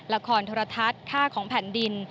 ละครธรรทัศน์ค่าของแผ่นดิน